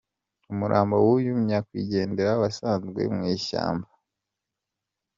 Umurambo w’uyu nyakwigendera wasanzwe mu ishyamba.